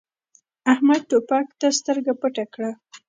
احمد توپک ته سترګه پټه کړه.